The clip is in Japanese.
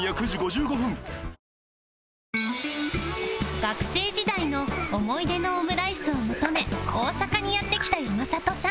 学生時代の思い出のオムライスを求め大阪にやって来た山里さん